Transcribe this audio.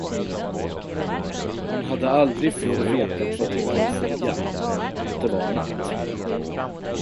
Han hade aldrig förr vetat vad det ville säga, att det var natt.